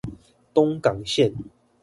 東港線